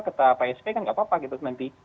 kita psp kan tidak apa apa gitu nanti